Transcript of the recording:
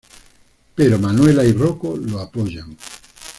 Pero Manuela y Rocco lo apoyan.